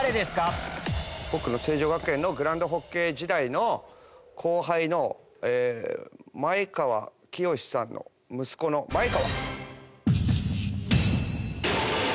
僕の成城学園のグランドホッケー時代の後輩の前川清さんの息子の前川。